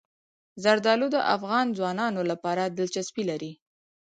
زردالو د افغان ځوانانو لپاره دلچسپي لري.